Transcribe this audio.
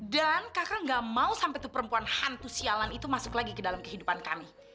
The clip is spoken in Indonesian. dan kakak gak mau sampai tuh perempuan hantu sialan itu masuk lagi ke dalam kehidupan kami